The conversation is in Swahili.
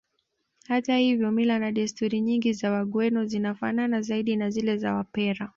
Hata hivyo mila na desturi nyingi za Wagweno zinafanana zaidi na zile za Wapare